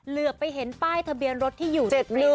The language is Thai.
เหลือไปเห็นป้ายทะเบียนรถที่อยู่ในคลิป